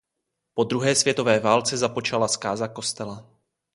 Po druhé světové válce započala zkáza kostela.